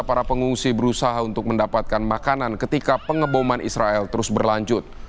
para pengungsi berusaha untuk mendapatkan makanan ketika pengeboman israel terus berlanjut